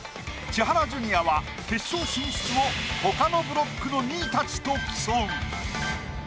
千原ジュニアは決勝進出を他のブロックの２位たちと競う。